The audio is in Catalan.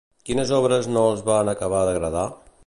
Quines obres no els van acabar d'agradar?